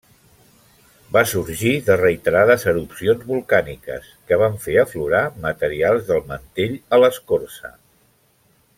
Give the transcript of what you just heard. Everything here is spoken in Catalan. Va sorgir de reiterades erupcions volcàniques, que van fer aflorar materials del mantell a l'escorça.